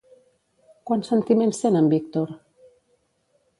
Quants sentiments sent en Víctor?